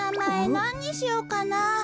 なににしようかな。